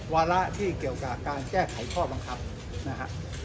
วาระที่เกี่ยวกับการแก้ไขข้อบังคับนะฮะ